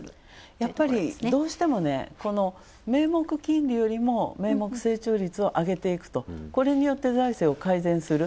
やっぱり、どうしても名目金利よりも名目成長率を上げていくと、これによって財政を改善する。